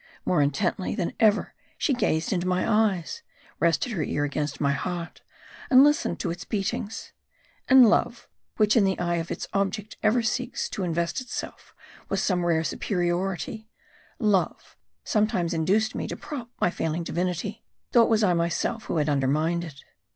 More intently than ever she gazed into my eyes ; rested her ear against my heart, and listened to its beatings. And love, which in the eye of its object ever seeks to invest itself with some rare superiority, love, sometimes induced me to prop my failing divinity ; though it was I myself who had undermined it.